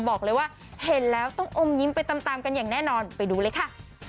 บอกเลยว่าเห็นแล้วต้องอมยิ้มไปตามกันอย่างแน่นอนไปดูเลยค่ะ